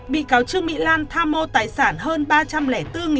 bị cáo trương mỹ lan tham mô tài sản hơn ba trăm linh bốn người